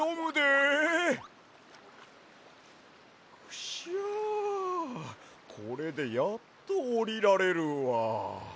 クシャこれでやっとおりられるわ。